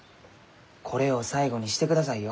これを最後にしてくださいよ。